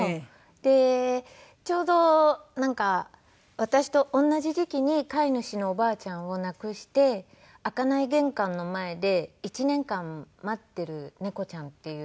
でちょうどなんか私と同じ時期に飼い主のおばあちゃんを亡くして開かない玄関の前で１年間待ってる猫ちゃんっていう。